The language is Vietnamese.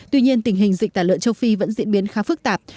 tuy nhiên tình hình dịch tả lợn châu phi vẫn diễn biến khá phức tạp